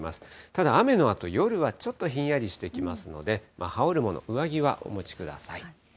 ただ、雨のあと、夜はちょっとひんやりしてきますので、羽織るもの、上着はお持ちください。